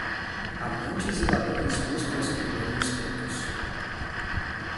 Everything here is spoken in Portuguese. Amantes e ladrões buscam a escuridão e os cantos.